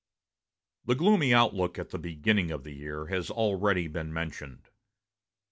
The gloomy outlook at the beginning of the year has already been mentioned.